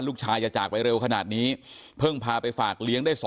ลูกชายจะจากไปเร็วขนาดนี้เพิ่งพาไปฝากเลี้ยงได้